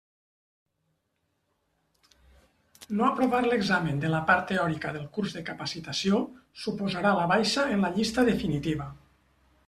No aprovar l'examen de la part teòrica del curs de capacitació suposarà la baixa en la llista definitiva.